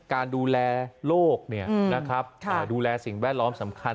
การดูแลโรคนี่นะครับดูแลสิ่งแวดล้อมสำคัญ